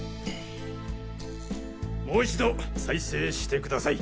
もう一度再生してください。